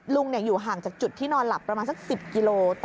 อยู่ห่างจากจุดที่นอนหลับประมาณสัก๑๐กิโล